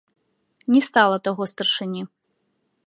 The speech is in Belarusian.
Не стала таго старшыні.